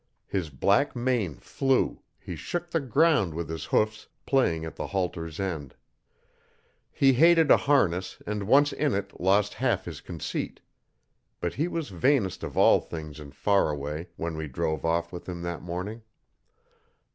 His black mane flew, he shook the ground with his hoofs playing at the halter's end. He hated a harness and once in it lost half his conceit. But he was vainest of all things in Faraway when we drove off with him that morning.